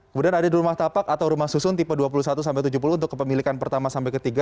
kemudian ada rumah tapak atau rumah susun tipe dua puluh satu sampai tujuh puluh untuk kepemilikan pertama sampai ketiga